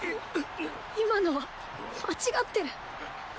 今のは間違ってる。